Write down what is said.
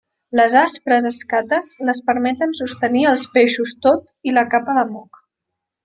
Les aspres escates les permeten sostenir els peixos tot i la capa de moc.